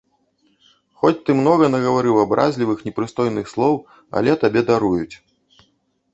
Хоць ты многа нагаварыў абразлівых, непрыстойных слоў, але табе даруюць.